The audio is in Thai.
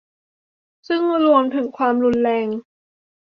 ซึ่งรวมถึงความรุนแรง